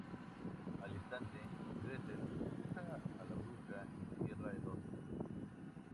Al instante, Gretel empuja a la bruja y cierra el horno.